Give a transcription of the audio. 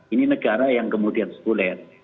ini negara yang kemudian sekuler